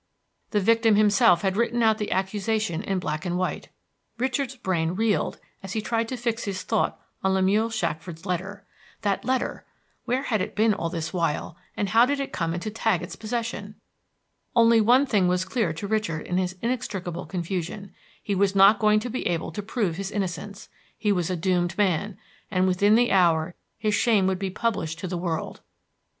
The victim himself had written out the accusation in black and white. Richard's brain reeled as he tried to fix his thought on Lemuel Shackford's letter. That letter! where had it been all this while, and how did it come into Taggett's possession? Only one thing was clear to Richard in his inextricable confusion, he was not going to be able to prove his innocence; he was a doomed man, and within the hour his shame would be published to the world.